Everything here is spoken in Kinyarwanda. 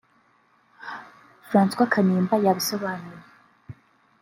Francois Kanimba yabisobanuye